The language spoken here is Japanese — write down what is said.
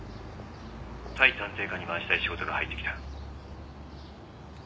対探偵課に回したい仕事が入ってきた。